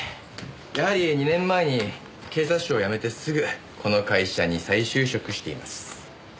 やはり２年前に警察庁を辞めてすぐこの会社に再就職しています。